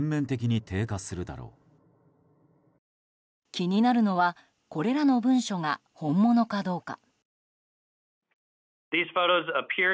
気になるのはこれらの文書が本物かどうか。